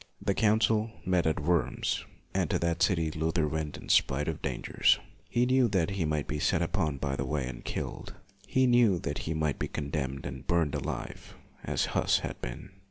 The council met at Worms, and to that city Luther w r ent in spite of dangers. He knew that he might be set upon by the way and killed: he knew that he might be condemned and burned alive, as Hus had been.